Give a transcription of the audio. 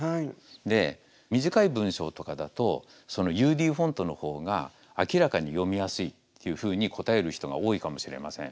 で短い文章とかだとＵＤフォントの方が明らかに読みやすいっていうふうに答える人が多いかもしれません。